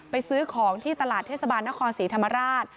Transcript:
ซื้อของที่ตลาดเทศบาลนครศรีธรรมราช